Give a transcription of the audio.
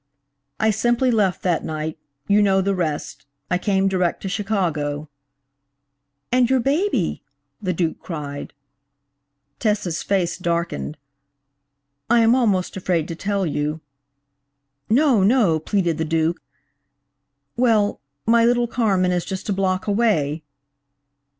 "I simply left that night–you know the rest–I came direct to Chicago." "And your baby?" the Duke cried. Tessa's face darkened. "I am almost afraid to tell you." "No, no," pleaded the Duke. "Well–my little Carmen is just a block away."